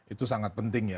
itu sangat penting ya